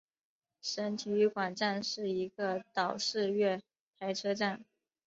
省体育馆站是一个岛式月台车站。